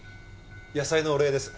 野菜のお礼です。